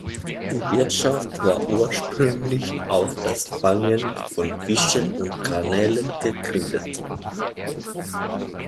Die Wirtschaft war ursprünglich auf das Fangen von Fischen und Garnelen gegründet.